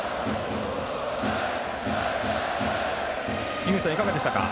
井口さん、いかがでしたか？